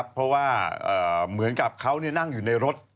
เพราะว่าเหมือนกับเขานั่งอยู่ในรถ